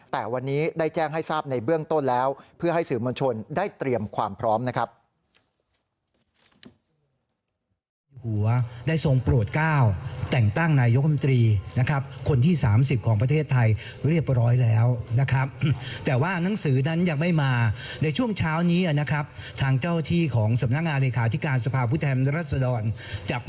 แต่วันนี้ได้แจ้งให้ทราบในเบื้องต้นแล้วเพื่อให้สื่อมวลชนได้เตรียมความพร้อมนะครับ